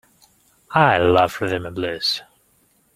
I love rhythm and blues!